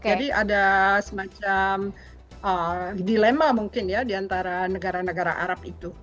jadi ada semacam dilema mungkin ya diantara negara negara arab itu